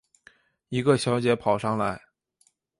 一个小姐跑上来